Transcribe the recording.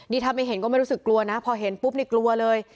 นี่ถ้าไม่เห็นก็ไม่รู้สึกกลัวนะพอเห็นปุ๊บนี่กลัวเลย